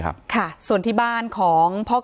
การแก้เคล็ดบางอย่างแค่นั้นเอง